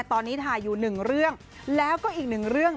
ตอนนี้ถ่ายอยู่๑เรื่องแล้วก็อีก๑เรื่อง